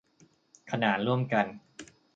ขนานร่วมกัน